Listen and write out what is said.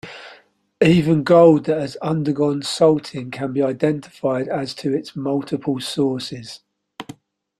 Even gold that has undergone salting can be identified as to its multiple sources.